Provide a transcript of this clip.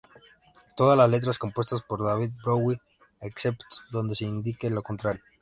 Todas las letras compuestas por David Bowie, excepto donde se indique lo contrario.